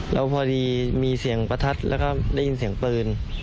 แล้วพอดีมีเสียงประทัดแล้วก็ได้ยินเสียงปืน